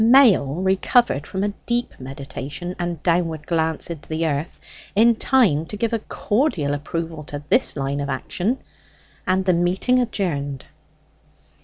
Mail recovered from a deep meditation and downward glance into the earth in time to give a cordial approval to this line of action, and the meeting adjourned.